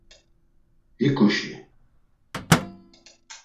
Hiǩuşi!